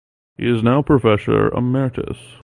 He is now Professor Emeritus.